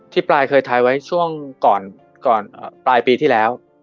ปลายเคยทายไว้ช่วงก่อนปลายปีที่แล้ว